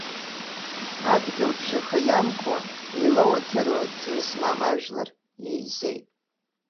Адгьылбжьаха иамкуа, еилауаҭыруа, ҵҩа змам ажәлар еизеит.